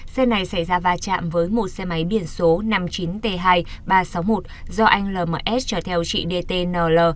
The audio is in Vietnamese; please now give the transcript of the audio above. xe này xảy ra va chạm với một xe máy biển số năm mươi chín t hai nghìn ba trăm sáu mươi một do anh lms chở theo chị dtnl